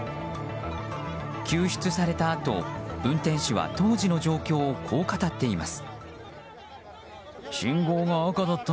救出されたあと、運転手は当時の状況をこう語っています。